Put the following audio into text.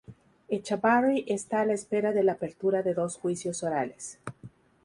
Echávarri está a la espera de la apertura de dos juicios orales.